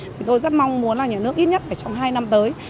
thì tôi rất mong muốn là nhà nước ít nhất phải trong hai năm tới